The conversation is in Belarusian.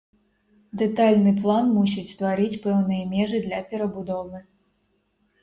Дэтальны план мусіць стварыць пэўныя межы для перабудовы.